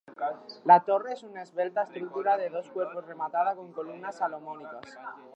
La torre es una esbelta estructura de dos cuerpos rematada con columnas salomónicas.